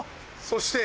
そして。